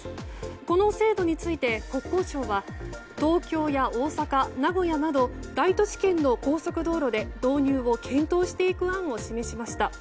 この制度について国交省は東京や大阪、名古屋など大都市圏の高速道路で導入を検討していく案を示しました。